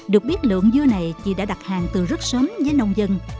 được biết lượng dưa này chị đã đặt hàng từ rất sớm với nông dân